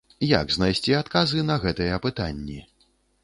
Як знайсці адказы на гэтыя пытанні?